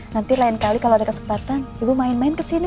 nanti lain kali kalau ada kesempatan ibu main main kesini